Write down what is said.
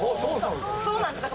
そうなんだ。